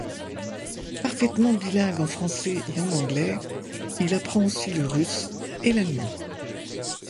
Parfaitement bilingue en français et en anglais, il apprend aussi le russe et l'allemand.